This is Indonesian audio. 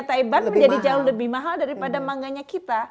katakanlah manganya taebat menjadi jauh lebih mahal daripada manganya kita